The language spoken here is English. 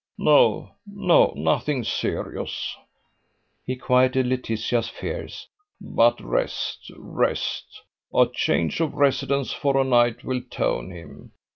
No, no, nothing serious," he quieted Laetitia's fears, "but rest, rest. A change of residence for a night will tone him.